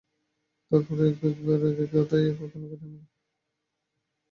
তার পরও এবার একেক সময় একেক কথায় এখানকার জনমনেও বিভ্রান্তি দেখা দিয়েছে।